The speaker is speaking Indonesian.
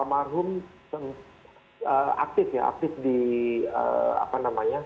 aku sudah berusaha untuk membuat video yang aktif ya aktif di apa namanya